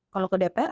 kalau ke dpr